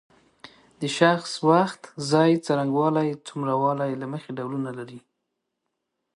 د شخص وخت ځای څرنګوالی څومره والی له مخې ډولونه لري.